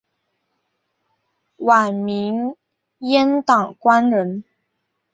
晚明阉党官员。